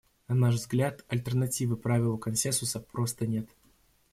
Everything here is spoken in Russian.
На наш взгляд, альтернативы правилу консенсуса просто нет.